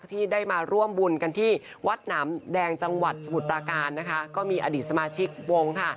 ที่ได้มาร่วมบุญกันที่วัดหนามแดงจังหวัดสมุทรปราการนะคะก็มีอดีตสมาชิกวงค่ะ